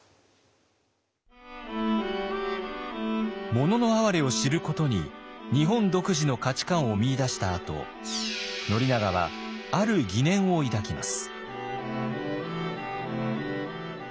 「もののあはれ」を知ることに日本独自の価値観を見いだしたあと宣長はある疑念を抱きます。